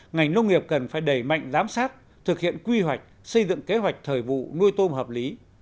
ngành nông nghiệp cần phải đẩy mạnh giám sát thực hiện quy hoạch xây dựng kế hoạch thời vụ nuôi tôm hợp lý